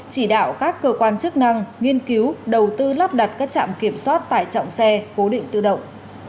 chỉ đạo các cơ quan chức năng nghiên cứu đầu tư lắp đặt các trạm kiểm soát tải trọng xe cố định tự động